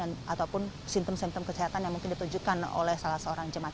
ataupun simptom simptom kesehatan yang mungkin ditujukan oleh salah seorang jemaat